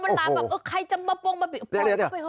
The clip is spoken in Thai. มันลามแบบเออใครจะมาปุ้งมาพอเข้าไปเถอะ